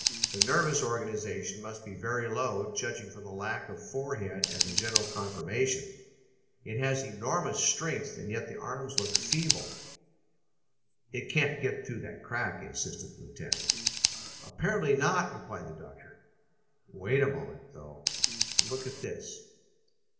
The nervous organisation must be very low, judging from the lack of forehead and the general conformation. It has enormous strength, and yet the arms look feeble." "It can't get through that crack," insisted the lieutenant. "Apparently not," replied the doctor. "Wait a moment, though. Look at this!"